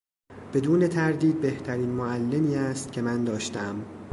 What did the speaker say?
بدون تردید بهترین معلمی است که من داشتهام.